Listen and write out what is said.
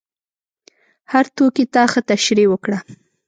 هر توکي ته ښه تشریح وکړه.